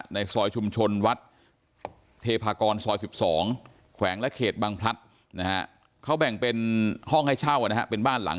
ในซอยชุมชนวัดเทพากรซอย๑๒แขวงและเขตบางพลัดนะฮะเขาแบ่งเป็นห้องให้เช่านะฮะเป็นบ้านหลัง